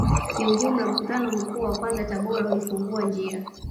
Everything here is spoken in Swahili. Kiujumla mkutano mkuu wa kwanza Tabora ulifungua njia